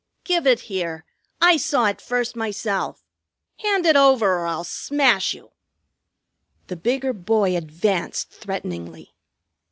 "Give it here. I saw it first myself. Hand it over, or I'll smash you!" The bigger boy advanced threateningly.